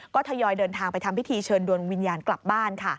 ก็ทยอยเดินทางไปทำพิธีเชิญดวงวิญญาณกลับบ้านค่ะ